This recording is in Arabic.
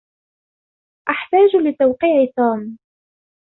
أحتاج لتوقيع توم.